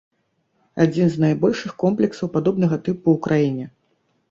Адзін з найбольшых комплексаў падобнага тыпу ў краіне.